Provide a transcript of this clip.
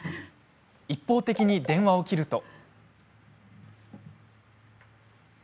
一方的に電話を切ると。